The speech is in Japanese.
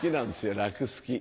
「楽好き」